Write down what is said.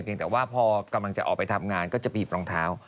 เพราะว่าพอกำลังจะออกไปทำงานเขาก็จะอยู่กับรองเท้า